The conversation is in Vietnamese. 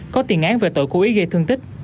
có tiền án về tội cố ý gây thương tích